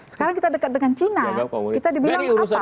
sekarang kita dekat dengan cina kita dibilang apa